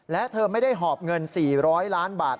และเธอไม่ได้หอบเงิน๔๐๐ล้านบาท